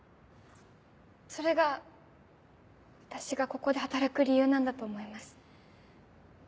それが私がここで働く理由なんだと思います。